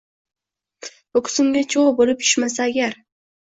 Koʼksimga choʼgʼ boʼlib tushmasa agar